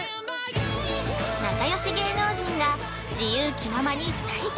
◆仲良し芸能人が自由気ままに２人旅。